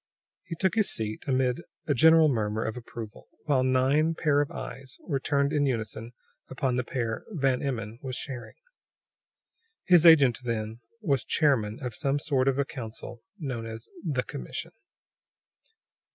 He took his seat amid a general murmur of approval, while nine pair of eyes were turned in unison upon the pair Van Emmon was sharing. His agent, then, was chairman of some sort of a council, known as "the commission."